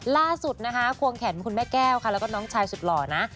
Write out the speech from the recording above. ล่าสุดนะคะควงแขนคุณแม่แก้วค่ะแล้วก็น้องชายสุดหล่อนะ